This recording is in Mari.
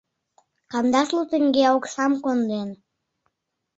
Кандашлу теҥге оксам конден.